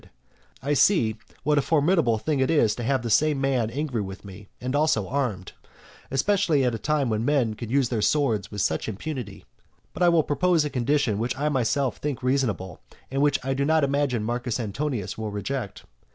And I see what a formidable thing it is to have the same man angry with me and also armed; especially at a time when men can use their swords with such impunity. But I will propose a condition which I myself think reasonable, and which I do not imagine Marcus Antonius will reject.